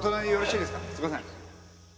すいません。